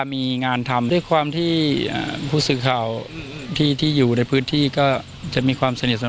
มีงานทำด้วยความที่ผู้สื่อข่าวที่อยู่ในพื้นที่ก็จะมีความสนิทสน